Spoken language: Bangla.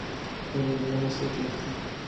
আমাদের জন্য সে ছিল একটা নির্ভরযোগ্য খুঁটি।